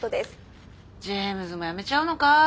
ジェームズも辞めちゃうのか。